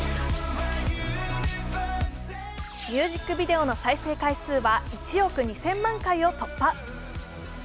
ミュージックビデオの再生回数は１億２０００万回を突破。